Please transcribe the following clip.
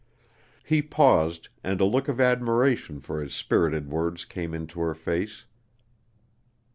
He paused, and a look of admiration for his spirited words came into her face.